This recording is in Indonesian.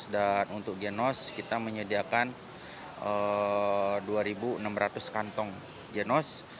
dan untuk genos kita menyediakan dua enam ratus kantong genos